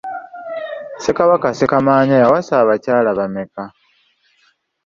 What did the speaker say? Ssekabaka Ssekamaanya yawasa abakyala bameka?